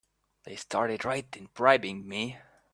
They started right in bribing me!